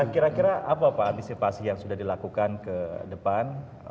kira kira apa pak antisipasi yang sudah dilakukan ke depan